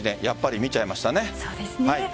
やっぱり見ちゃいましたね。